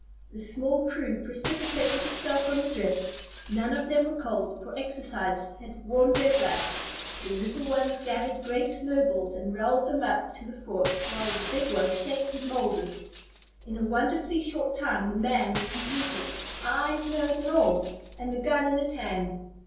The small crew precipitated itself on the drift. None of them were cold, for exercise had warmed their blood. The little ones gathered great snowballs and rolled them up to the fort, while the big ones shaped and moulded. In a wonderfully short time the "man" was completed, eyes, nose, and all, and the gun in his hand.